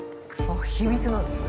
秘密なんですね。